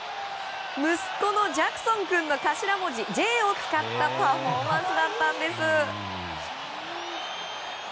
息子ジャクソン君の頭文字「Ｊ」を使ったパフォーマンスだったんです。